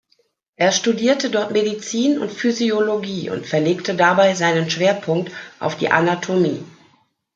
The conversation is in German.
Er studierte dort Medizin und Physiologie und verlegte dabei seinen Schwerpunkt auf die Anatomie.